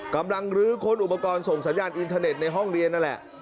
ลื้อค้นอุปกรณ์ส่งสัญญาณอินเทอร์เน็ตในห้องเรียนนั่นแหละ